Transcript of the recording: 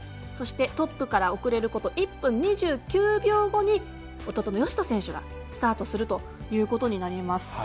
そして、トップから遅れること１分２９秒後に弟の善斗選手がスタートするということになります。